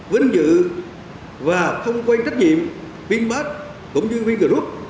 vinh dự và không quay trách nhiệm vinfast cũng như vingroup